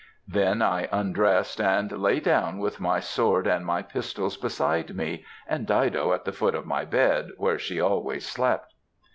Then I undressed and lay down with my sword and my pistols beside me; and Dido at the foot of my bed, where she always slept.